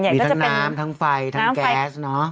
มีทั้งน้ำทั้งไฟทั้งแก๊สเนอะ